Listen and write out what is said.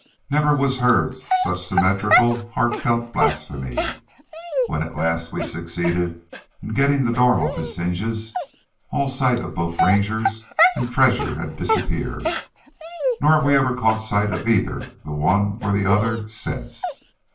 Never was heard such symmetrical and heartfelt blasphemy. When at last we succeeded in getting the door off its hinges all sight of both rangers and treasure had disappeared, nor have we ever caught sight of either the one or the other since.